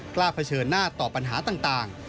เผชิญหน้าต่อปัญหาต่าง